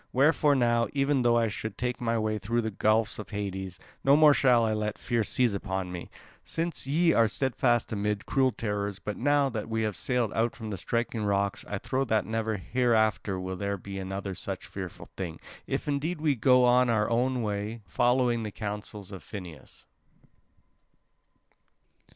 Wherefore now, even though I should take my way through the gulfs of Hades, no more shall I let fear seize upon me, since ye are steadfast amid cruel terrors. But now that we have sailed out from the striking rocks, I trow that never hereafter will there be another such fearful thing, if indeed we go on our way following the counsel of Phineus."